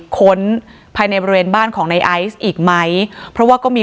ค้นภายในบริเวณบ้านของในไอซ์อีกไหมเพราะว่าก็มี